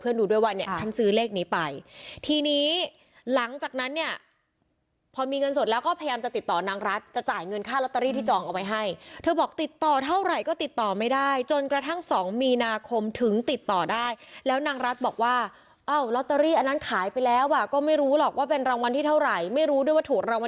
ดูด้วยว่าเนี่ยฉันซื้อเลขนี้ไปทีนี้หลังจากนั้นเนี่ยพอมีเงินสดแล้วก็พยายามจะติดต่อนางรัฐจะจ่ายเงินค่าลอตเตอรี่ที่จองเอาไว้ให้เธอบอกติดต่อเท่าไหร่ก็ติดต่อไม่ได้จนกระทั่งสองมีนาคมถึงติดต่อได้แล้วนางรัฐบอกว่าเอ้าลอตเตอรี่อันนั้นขายไปแล้วอ่ะก็ไม่รู้หรอกว่าเป็นรางวัลที่เท่าไหร่ไม่รู้ด้วยว่าถูกรางวัล